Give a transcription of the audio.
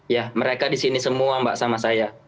ya mereka di sini semua mbak sama saya